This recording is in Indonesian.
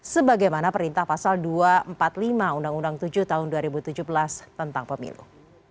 sebagaimana perintah pasal dua ratus empat puluh lima undang undang tujuh tahun dua ribu tujuh belas tentang pemilu